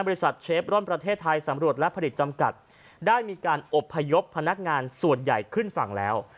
เชฟร่อนประเทศไทยสำรวจและผลิตจำกัดได้มีการอบพยพพนักงานส่วนใหญ่ขึ้นฝั่งแล้ว